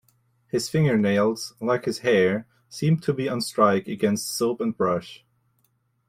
His finger-nails, like his hair, seemed to be on strike against soap and brush.